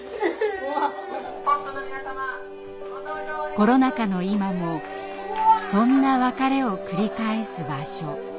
コロナ禍の今もそんな別れを繰り返す場所。